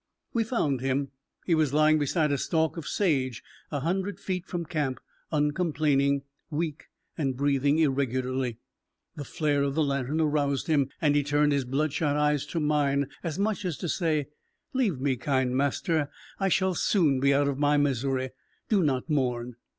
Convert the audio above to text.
We found him. He was lying beside a stalk of sage a hundred feet from camp, uncomplaining, weak, and breathing irregularly. The flare of the lantern aroused him, and he turned his bloodshot eyes to mine, as much as to say, "Leave me, kind master, I shall soon be out of misery. Do not mourn."